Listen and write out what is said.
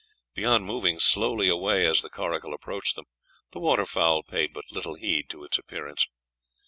Beyond moving slowly away as the coracle approached them, the water fowl paid but little heed to its appearance.